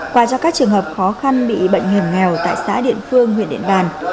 qua cho các trường hợp khó khăn bị bệnh nghiệp nghèo tại xã điện phương huyện điện đàn